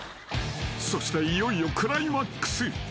［そしていよいよクライマックス］